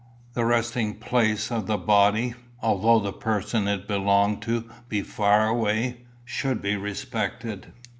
The resting place of the body, although the person it belonged to be far away, should be respected."